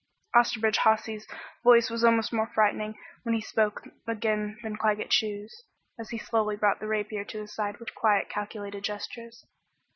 Osterbridge Hawsey's voice was almost more frightening when he spoke again than Claggett Chew's, as he slowly brought the rapier to his side with quiet calculated gestures.